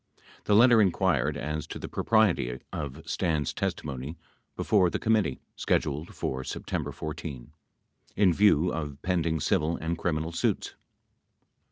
87 The letter inquired as to the propriety of Stans' testimony before the committee, scheduled for September 14, in view of pending civil and criminal suits.